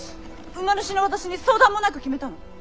馬主の私に相談もなく決めたの？